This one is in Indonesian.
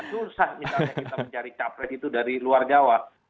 susah misalnya kita mencari capres itu dari luar jawa